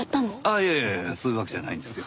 いやいやいやそういうわけじゃないんですよ。